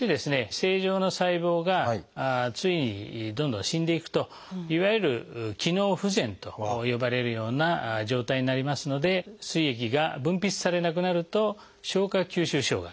正常な細胞がついにどんどん死んでいくといわゆる「機能不全」と呼ばれるような状態になりますのですい液が分泌されなくなると消化吸収障害